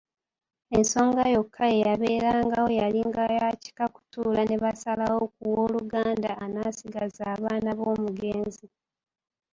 Ensonga yokka eyabeerangawo yalinga ya kika kutuula ne basalawo ku wooluganda anaasigaza abaana b’omugenzi.